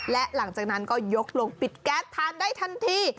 และหลังจากนั้นก็ยกลงปิดแก๊สทานได้ทันที